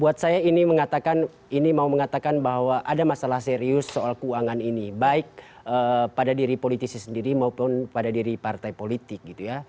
buat saya ini mengatakan ini mau mengatakan bahwa ada masalah serius soal keuangan ini baik pada diri politisi sendiri maupun pada diri partai politik gitu ya